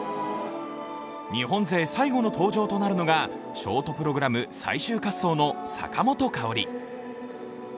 日本勢最後の登場となるのがショートプログラム最終滑走の坂本花織。